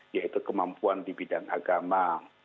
yaitu kemampuan di bidang agama